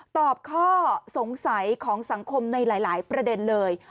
ตอบข้อสงสัยของสังคมในหลายประเด็นเลย